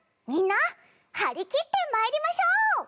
みんな張りきって参りましょう！